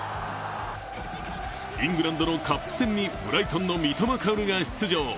イングランドのカップ戦にブライトンの三笘薫が出場。